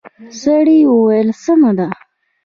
سړي وويل سمه ده.